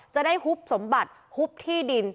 จะได้หุบสมบัติฮุบที่ดิน